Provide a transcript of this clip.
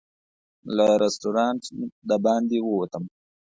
له رسټورانټ د باندې ووتم.